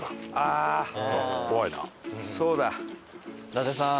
伊達さん。